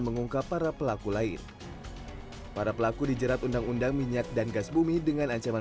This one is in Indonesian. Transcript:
mengungkap para pelaku lain para pelaku dijerat undang undang minyak dan gas bumi dengan ancaman